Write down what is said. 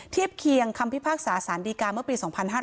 เทียบเคียงคำพิพากษาสารดีกาเมื่อปี๒๕๕๙